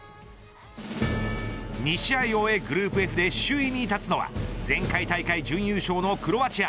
２試合を終えグループＦで首位に立つのは前回大会準優勝のクロアチア。